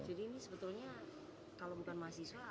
jadi ini sebetulnya kalau bukan mahasiswa